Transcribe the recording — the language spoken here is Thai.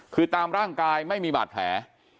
คือตามร่างกายไม่มีบาดแผล